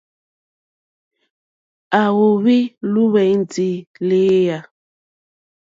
À wóhwì lùwɛ̀ndì lééyà.